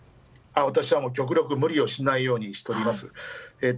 私は極力無理をしないようにしております。